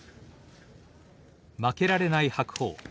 負けられない白鵬。